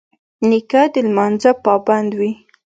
نیکه د لمانځه پابند وي.